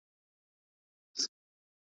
محتسب ښارته وتلی حق پر شونډو دی ګنډلی `